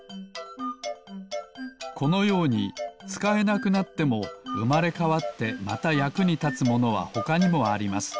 このようにつかえなくなってもうまれかわってまたやくにたつものはほかにもあります。